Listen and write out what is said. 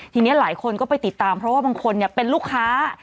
ทีนี้หลายคนก็ไปติดตามเพราะว่าบางคนเป็นลูกค้า